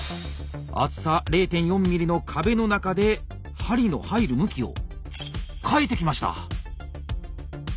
厚さ０．４ｍｍの壁の中で針の入る向きを変えてきました。